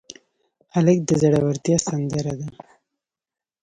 هلک د زړورتیا سندره ده.